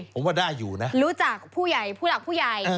ผมว่าได้อยู่นะรู้จักผู้หลักผู้ใหญ่